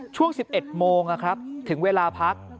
ช่วง๑๑โมงถึงเวลาพัก